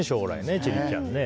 千里ちゃん。